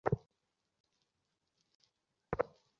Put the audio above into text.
শশীর মনের মধ্যে সন্দেহটা খচখচ করিয়া বেঁধে বৈকি।